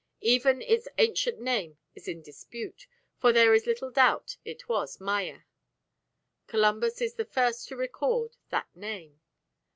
Even its ancient name is in dispute, though there is little doubt it was "Maya." Columbus is the first to record that name.